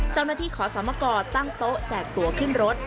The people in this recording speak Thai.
เจ้าหน้าที่ขอสมกรตั้งโต๊ะแจกตัวขึ้นรถ